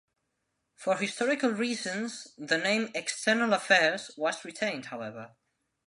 For historical reasons the name External Affairs was retained, however.